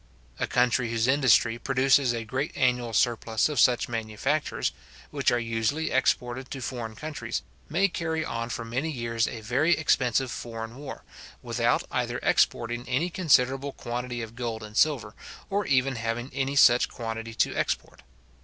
A country whose industry produces a great annual surplus of such manufactures, which are usually exported to foreign countries, may carry on for many years a very expensive foreign war, without either exporting any considerable quantity of gold and silver, or even having any such quantity to export.